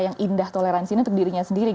yang indah toleransi ini untuk dirinya sendiri